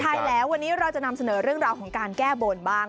ใช่แล้ววันนี้เราจะนำเสนอเรื่องราวของการแก้บนบ้าง